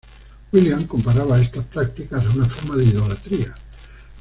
William comparaba estas prácticas a una forma de idolatría.